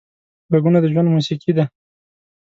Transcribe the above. غږونه د ژوند موسیقي ده